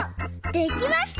できました！